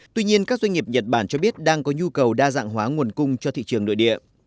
tuy nhiên các doanh nghiệp nhật bản cho biết đang có nhu cầu đa dạng hóa nguồn cung cho thị trường nội địa